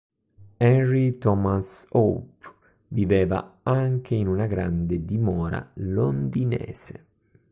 Henry Thomas Hope viveva anche in una grande dimora londinese.